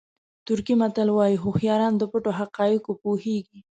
ترکي متل وایي هوښیاران د پټو حقایقو پوهېږي.